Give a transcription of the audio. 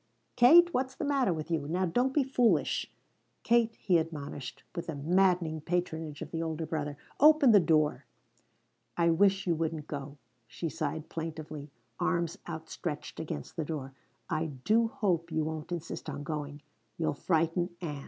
_ Kate, what's the matter with you? Now don't be foolish, Katie," he admonished with the maddening patronage of the older brother. "Open the door." "I wish you wouldn't go," she sighed plaintively, arms outstretched against the door. "I do hope you won't insist on going. You'll frighten Ann."